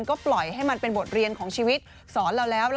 ก็ปล่อยให้มันเป็นบทเรียนของชีวิตสอนเราแล้ว